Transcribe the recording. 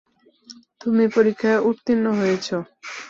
তুমি পরীক্ষায় উত্তীর্ণ হয়েছ।